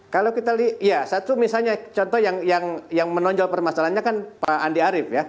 kalau kita lihat ya satu misalnya contoh yang menonjol permasalahannya kan pak andi arief ya